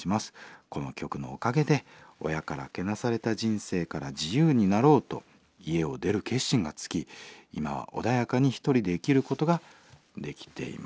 この曲のおかげで親からけなされた人生から自由になろうと家を出る決心がつき今は穏やかに１人で生きることができています」。